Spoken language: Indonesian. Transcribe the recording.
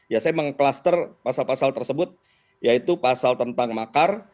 ya saya meng cluster pasal pasal tersebut yaitu pasal tentang makar